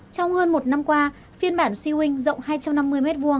trong hơn một năm qua phiên bản sea wing rộng hai trăm năm mươi m